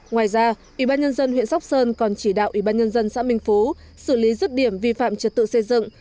ngoài ra ủy ban nhân dân huyện sóc sơn còn chỉ đạo ủy ban nhân dân xã minh phú xử lý rứt điểm vi phạm trật tự xây dựng